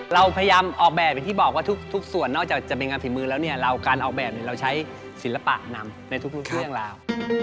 เราพยายามออกแบบอย่างที่บอกว่าทุกส่วนนอกจากจะเป็นงานฝีมือแล้วเนี่ยเราการออกแบบเราใช้ศิลปะนำในทุกเรื่องราว